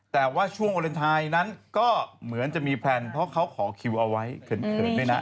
แต่ว่าช่วงวาเลนไทยนั้นก็เหมือนจะมีแพลนเพราะเขาขอคิวเอาไว้เขินด้วยนะ